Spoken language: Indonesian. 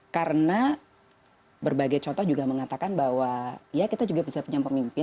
karena berbagai contoh juga mengatakan bahwa ya kita juga bisa punya pemimpin